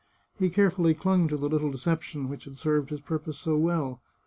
He carefully clung to the little deception which had served his purpose so well.